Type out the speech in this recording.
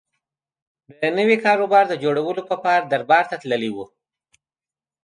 د نوي کاروبار د جوړولو په پار دربار ته تللی و.